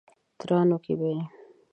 ترانو کې به یې